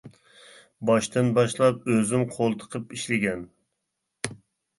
باشتىن باشلاپ ئۆزۈم قول تىقىپ ئىشلىگەن.